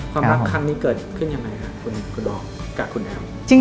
ความรักครั้งนี้เกิดขึ้นยังไงครับคุณดอกกับคุณแอม